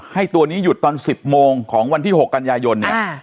ให้ตัวนี้หยุดตอน๑๐โมงของวันที่๖กันยายนเนี่ย